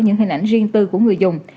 những hình ảnh riêng tư của người dùng